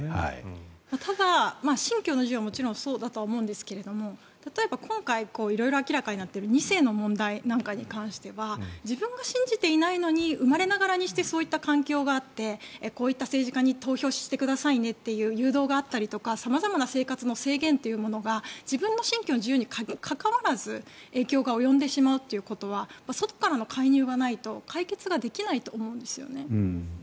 ただ、信教の自由はもちろんそうだとは思うんですけれども例えば今回、色々明らかになっている２世の問題なんかに関しては自分が信じていないのに生まれながらにしてそういった環境があってこういった政治家に投票してくださいねっていう誘導があったりとか様々な生活の制限というものが自分の信教の自由にかかわらず影響が及んでしまうということは外からの介入がないと解決ができないと思うんですよね。